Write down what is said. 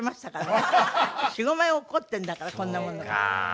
４５枚落っこってんだからこんなものが。